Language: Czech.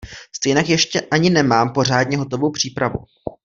Stejnak ještě ani nemám pořadně hotovou přípravu.